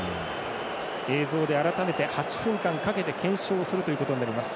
映像で改めて８分間かけて検証するということになります。